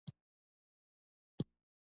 سړک اوږده مزلونه را لنډوي.